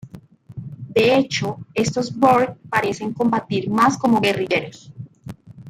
De hecho, estos Borg parecen combatir más como guerrilleros.